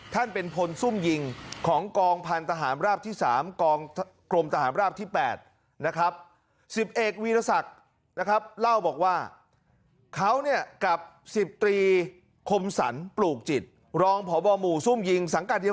ท่านเป็นพลสุ่มยิงของกองพันธาหารราบที่๓